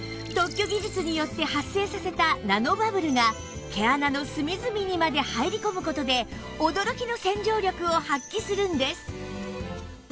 特許技術によって発生させたナノバブルが毛穴の隅々にまで入り込む事で驚きの洗浄力を発揮するんです